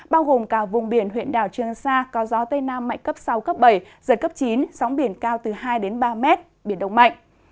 bao gồm cả vùng biển huyện đảo trương sa có gió tây nam mạnh cấp sáu cấp bảy giật cấp chín sóng biển cao từ hai ba mét biển động mạnh